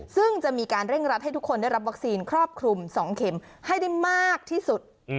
ซึ่งจะมีการเร่งรัดให้ทุกคนได้รับวัคซีนครอบคลุม๒เข็มให้ได้มากที่สุด